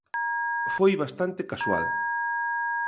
Foi bastante casual.